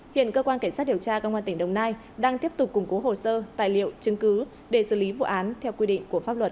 hiện cơ quan cảnh sát điều tra công an tỉnh đồng nai đang tiếp tục củng cố hồ sơ tài liệu chứng cứ để xử lý vụ án theo quy định của pháp luật